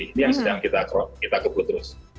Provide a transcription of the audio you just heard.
ini yang sedang kita keputus